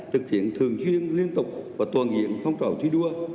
thực hiện thường chuyên liên tục và tuần hiện phong trào thi đua